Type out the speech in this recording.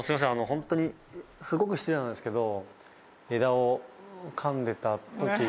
ホントにすごく失礼なんですけど。